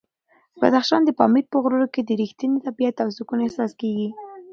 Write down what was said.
د بدخشان د پامیر په غرونو کې د رښتیني طبیعت او سکون احساس کېږي.